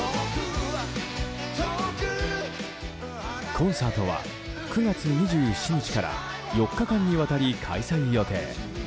コンサートは９月２７日から４日間にわたり開催予定。